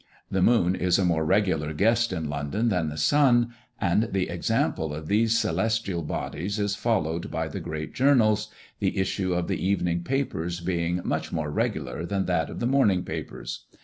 The moon is a more regular guest in London than the sun; and the example of these celestial bodies is followed by the great journals, the issue of the evening papers being much more regular than that of the morning papers.